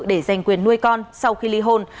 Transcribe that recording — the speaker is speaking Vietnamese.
để giành quyền nuôi con sau khi ly hôn